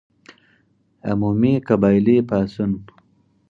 عمومي قبایلي پاڅون.